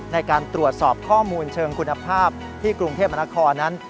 ในการตรวจสอบข้อมูลเชิงคุณภาพที่กรุงเทพมนาคมนั้น